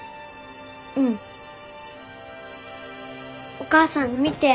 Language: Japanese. お母さん見て。